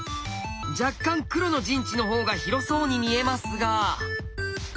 若干黒の陣地の方が広そうに見えますが。